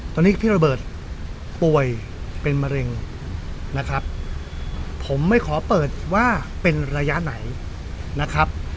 ตอนนี้พี่โรเบิร์ตป่วยเป็นมะเร็งนะครับผมไม่ขอเปิดว่าเป็นระยะไหนนะครับ